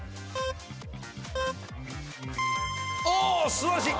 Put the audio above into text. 素晴らしい！